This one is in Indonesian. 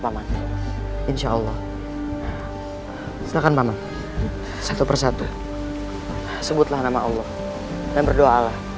paman insyaallah silakan paman satu persatu sebutlah nama allah dan berdoa